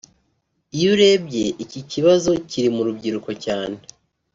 Iyo urebye iki kibazo kiri mu rubyiruko cyane